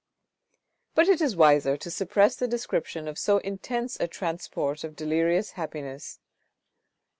But it is wiser to suppress the description of so intense a transport of delirious happiness.